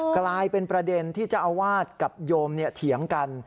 กลายเป็นประเด็นที่เจ้าอาวาสกับโยมเถียงกัน